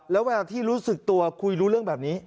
แล้วเวลาที่รู้สึกตัวคุยรู้เรื่องแบบนี้